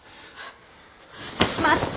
待って。